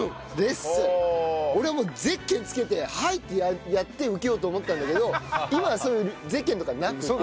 俺はもうゼッケン付けて「はい！」ってやって受けようと思ったんだけど今はそういうゼッケンとかはなくて。